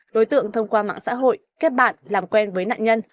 đối tượng thông qua mạng xã hội kết bạn làm quen với nạn nhân